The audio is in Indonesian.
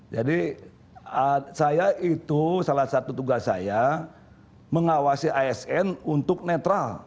saya itu salah satu tugas saya mengawasi asn untuk netral